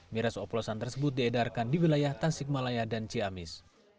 miras oplosan tersebut diedarkan di wilayah tasikmalaya dan ciamis